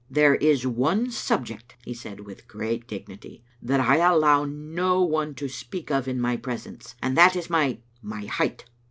"There is one subject," he said, with great dignity, " that I allow no one to speak of in my presence, and that is my — my height.